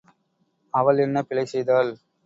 அவள் என்ன பிழை செய்தாள்?